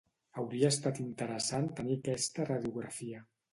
Hauria estat interessant tenir aquesta radiografia.